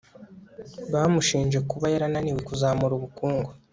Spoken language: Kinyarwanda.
bamushinje kuba yarananiwe kuzamura ubukungu